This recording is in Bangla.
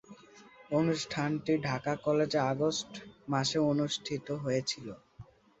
অনুষ্ঠানটি ঢাকা কলেজে আগস্ট মাসে অনুষ্ঠিত হয়েছিলো।